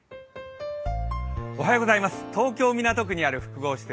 東京・港区にある複合施設